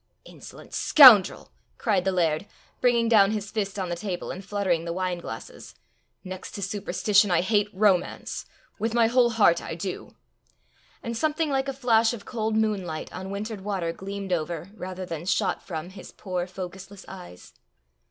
"Insolent scoundrel!" cried the laird, bringing down his fist on the table, and fluttering the wine glasses. "Next to superstition I hate romance with my whole heart I do!" And something like a flash of cold moonlight on wintred water gleamed over, rather than shot from, his poor focusless eyes.